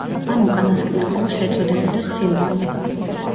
ამ უკანასკნელ ორს ეწოდებოდა სილვანი.